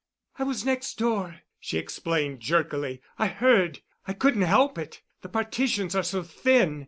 "I was next door," she explained jerkily. "I heard. I couldn't help it. The partitions are so thin."